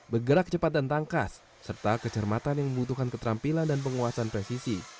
bergerak cepat dan tangkas serta kecermatan yang membutuhkan keterampilan dan penguasaan presisi